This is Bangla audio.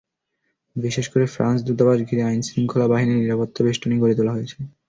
বিশেষ করে ফ্রান্স দূতাবাস ঘিরে আইনশৃঙ্খলা বাহিনীর নিরাপত্তাবেষ্টনী গড়ে তোলা হয়েছে।